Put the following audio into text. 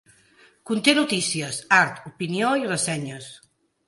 Conté notícies, art, opinió i ressenyes.